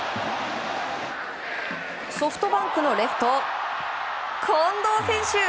ソフトバンクのレフト近藤選手。